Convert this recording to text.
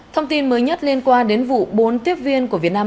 thông tin mới nhất liên quan đến vụ bốn tiếp viên của việt nam